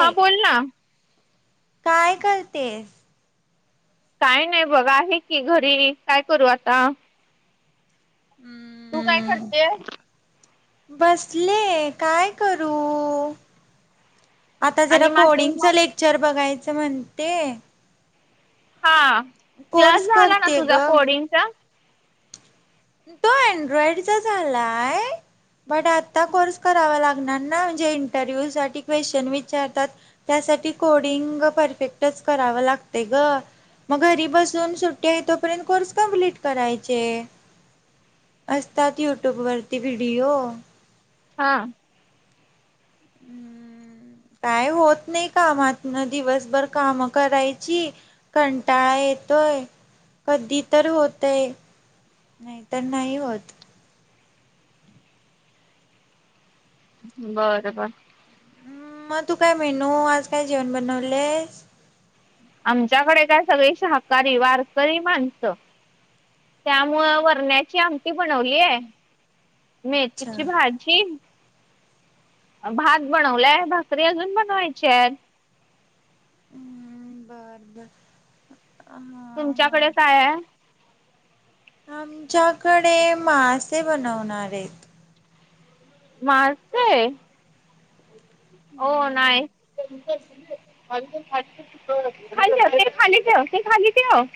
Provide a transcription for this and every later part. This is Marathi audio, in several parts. हां बोल ना.. काय करतेस? काय नाही बघ, आहे की घरी, काय करू आता? तू काय करतेस? बसले, काय करू? आता जरा आणि माझी कोडिंगचं मम्मी लेक्चर बघायचं म्हणते. हा क्लास कोर्स झाला ना, करते ग तुझा कोडिंगचा. तो अँड्रॉइडचा झालाय. पण आता कोर्स करावा लागणार ना? इंटरव्ह्यू साठी क्वेश्चन विचारता? त्यासाठी कोडिंग परफेक्टच करावं लागते ग. मग घरी बसून सुट्टी हाय तोपर्यंत, कोर्स कम्प्लीट करायचे. असतात युट्यूब वरती व्हिडिओ. हा. [inaudible] काय होत नाही कामात, दिवसभर काम करायची. कंटाळा येतोय, कधी तर होतय. नाही तर नाही होत. बर बर. म तू काय मेनू? आज काय जेवण बनवले? आमच्याकडे काय सगळे शाकाहारी वारकरी माणसं. त्यामुळ वरण्याची आमटी बनवली, आहे अच्छा मेथीची भाजी. भात बनवलाय, भाकरी अजून बनवायची आहेत. हम् बर बर ह. तुमच्याकडे काय आहे? आमच्याकडे मासे बनवणार आहेत. मासे? ओ हम्म. नाईस. [unintelligible] खाली ठेव ते खाली ठेव ते खाली ठेव.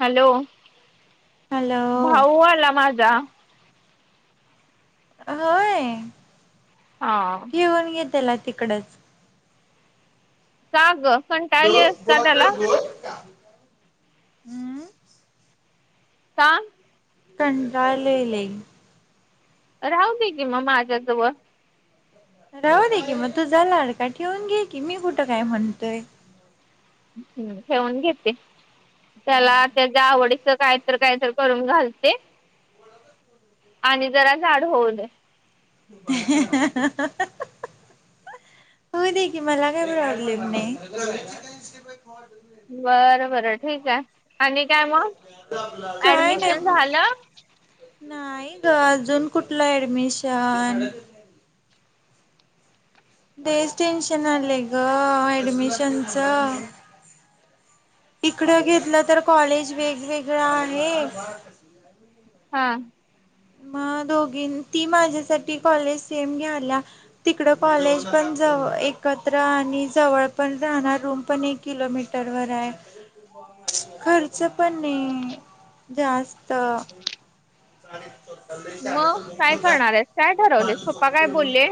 हॅलो हॅलो भाऊ आला माझा. होय. ह. ठेवून घे त्याला तिकडेच. का ग? कंटाळली आहेस का त्याला. हम्म का? कंटाळले लई. राहू दे की मग, माझ्याजवळ. राहू दे की मग, तूझा लाडका! ठेवून घे की, मी कुठं काय म्हणतोय. हम्म ठेऊन घेते. त्याला त्याच्या आवडीच काय तर काय तरकरून घालते. आणि जरा जाड होऊ दे. [unintelligible] होऊ दे की, मला काय प्रॉब्लेम नाही. हो. [unintelligible] बरं बरं ठीक आहे, आणि काय मग काय नाही. ऍडमिशन झालं. नाही ग, अजून कुठल ऍडमिशन. तेच टेन्शन आले ग, अऍडमिशनच. इकडं घेतलं तर, कॉलेज वेगवेगळं आहे. हा. मग दोघी, ती माझ्यासाठी कॉलेज सेम घ्याल्या. तिकड कॉलेज पण जव एकत्र आणि जवळ पण राहणार रूम पण एक. किलो मीटरवर आहे. खर्च पण नाही जास्त. [unintelligible] मग काय करणार आहेस? काय ठरवलेस? पप्पा काय बोलले?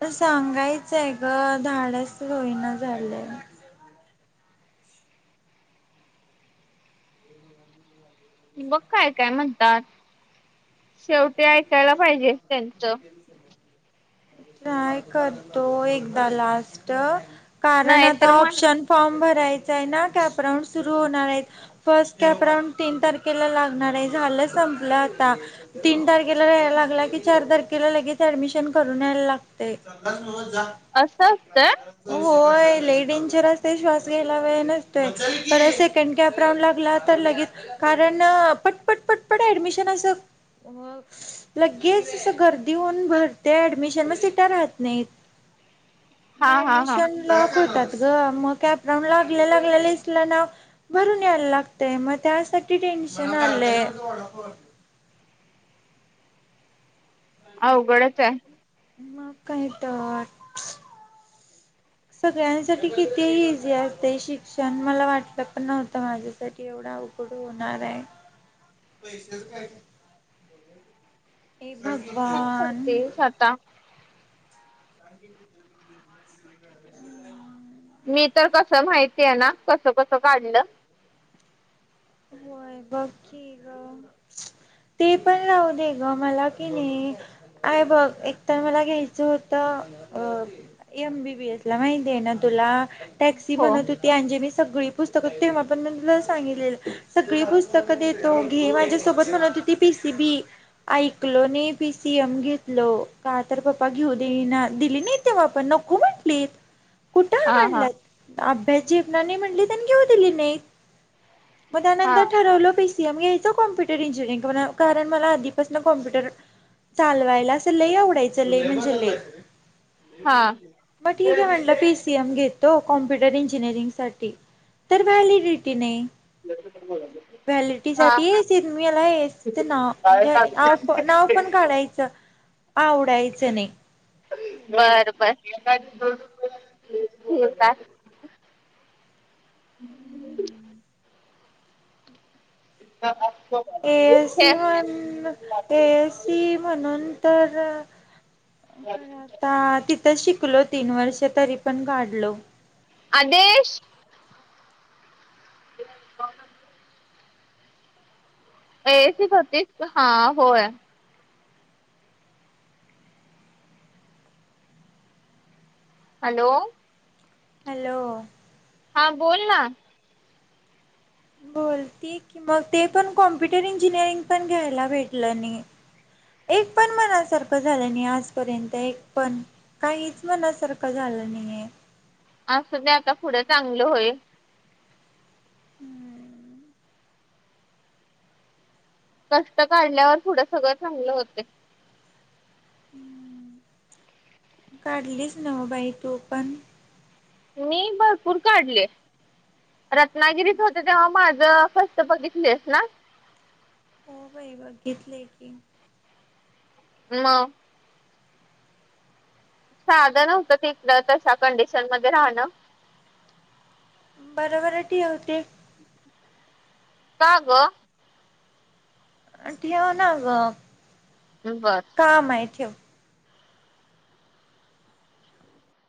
तर सांगायचंय ग, धाडस होईना झालंय. बघ काय काय म्हणतात, शेवटी ऐकायला पाहिजे त्यांचं. ट्राय करतो एकदा लास्ट, कारण नाही आता तर मग ऑप्शन फॉर्म भरायचां आहे ना, कॅपराऊंड सुरू होणार आहे. फर्स्ट कॅपराऊंड तीन तारखेला लागणार आहे, झालं संपलं आता तीन तारखे तीन तारखेला लागला की चार तारखेला लगेच ऍडमिशन करून यायला लागते. असं असत. ते लय डेंजर असतय, श्वास घ्यायला वेळ नसतोय, परत सेकंड कॅप राऊंड लागला तर लगेच. कारण पटपट पटपट ऍडमिशन असं. लगेच अस गर्दी होऊन भरते ऍडमिशन, मग सिटा राहत नाहीत. हा मग हा हा ऍडमिशन लॉक होतात ग, मग कॅप राऊंड लागल्या लागल्या लिस्टला नाव भरून यायला लागतय मग त्यासाठी टेन्शन आलंय. अवघडच हाय. मग काय तर. सगळ्यांसाठी किती इझी असते शिक शिक्षण मला वाटलं पण नव्हतं माझ्यासाठी एवढ अवघड होणार आहे. पैसेच काय? काय भगवान करतेस आता? हं [unintelligible] मी तर कसं माहिती आहे ना? कसं कसं काढलं, होय बघ की ग. ते पण राहू दे ग, मला कणी. आहे बघ एकतर मला घ्यायचं होतं, अ एमबीबीएस, ला माहिती आहे ना तुला? टॅक्सी हो म्हणत होती, अंजी मी सगळी पुस्तकं तेव्हा पण मला सांगितलेलं. सगळी पुस्तकं देतो, घे माझ्यासोबत म्हणत होती पीसी बी. ऐकलो नाही पी. सी. एम. घेतलो, का तर पप्पा घेऊ देईना दिली नात. तेव्हा पण नको म्हटली. हं [inaudible] कुठं म्हणलात अभ्याचीनाने म्हणलीत आणि घेऊ दिली नाही. मग हा त्यानंतर ठरवलं पीसीएम घ्यायचं कॉम्प्युटर इंजिनिअरिंग कारण मला आधीपासून कॉम्प्युटर. चालवायला अस लय आवडायचं लय म्हणजे लय. हा म ठीक आहे म्हणल पीस. पी सी एम घेतो कॉम्प्युटर इंजिनिअरिंगसाठी तर व्हॅलिडिटी नाही. हं. व्हॅलिडीटी साठी सिरमीला येतेना. म्हणजे नाव पण काढायचं आवडायचं नाही. बर बर हो का. ह. एसी म्हण एसी म्हणून तर. खर आता तिथं शिकलो तीन वर्ष तरी पण काढलो. आदेश. हा. एसी त होती हा होय. हॅलो. हॅलो. हा बोलणा. बोलतेय की मग ते पण कॉम्प्युटर इंजिनिअरिंग पण घ्यायला भेटलं नाही. एक पण मनासारखं झालं नाही आजपर्यंत एक पण. काहीच मनासारखं झालं नाहीये. असुदे आता पुढं चांगलं होईल. हम्म. कष्ट काढल्यावर पुढ सगळं चांगल होते. हम्म. काढलीसं नाव बाई तू पण. मी भरपूर काढले. रत्नागिरीत होते तेव्हा माझं कस्ट बघितलेस ना. हो बाई बघितले की. म साधंनव्हतं तिथलं तशा कंडिशन मध्ये राहणं. बरोबर ठेव होते. का ग. आणि ठेव ना ग. बरं. हा माय ठेव.